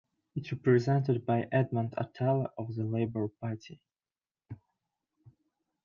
It is represented by Edmond Atalla of the Labor Party.